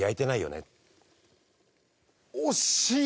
惜しい！